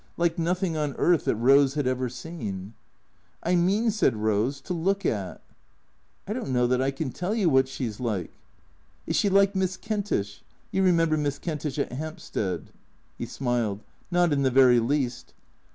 Like nothing on earth that Eose had ever seen. " I mean," said Eose, " to look at." " I don't know that I can tell you what she 's like." "Is she like Miss Kentish? You remember Miss Kentish at Hampstead ?" He smiled. " Not in the very least."